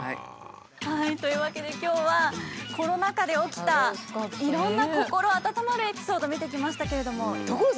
というわけで今日はコロナ禍で起きたいろんな心温まるエピソード見てきましたけれども。